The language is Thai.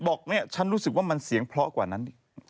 บอกนะฉันรู้สึกว่ามันเสียงเพลาะกว่านั้น